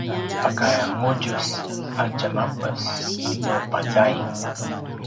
paka ngudjus a djemapes nu pazaing